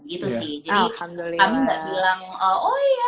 gitu sih jadi kami gak bilang